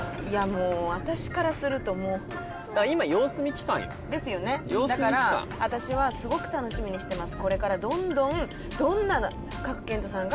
もう私からするともう今様子見期間よ様子見期間ですよねだから私はすごく楽しみにしてます